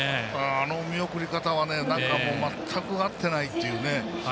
あの見送り方は全く合ってないというね。